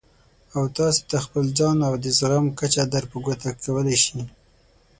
او تاسې ته خپل ځان او د زغم کچه در په ګوته کولای شي.